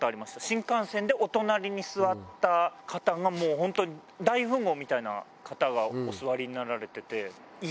新幹線でお隣に座った方がもう本当に大富豪みたいな方がお座りになられてて。